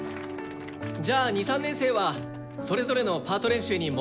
じゃあ２３年生はそれぞれのパート練習に戻ってください。